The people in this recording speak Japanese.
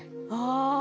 ああ。